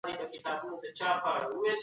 فساد کوونکي د ژوند حق نه لري.